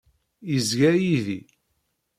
Yezga yid-i.